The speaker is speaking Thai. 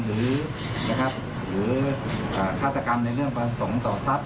หรือฆาตกรรมในเรื่องประสงค์ต่อทรัพย